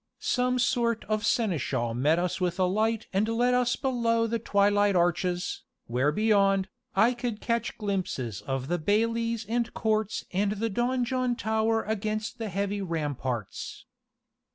Some sort of seneschal met us with a light and led us below the twilight arches, where beyond, I could catch glimpses of the baileys and courts and the donjon tower against the heavy ramparts.